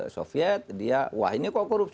soviet dia wah ini kok korupsi